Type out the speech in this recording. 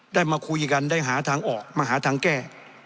มาคุยกันได้หาทางออกมาหาทางแก้